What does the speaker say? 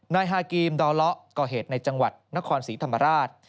ฮากีมดอเลาะก่อเหตุในจังหวัดนครศรีธรรมราช